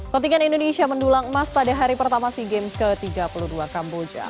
kontingen indonesia mendulang emas pada hari pertama sea games ke tiga puluh dua kamboja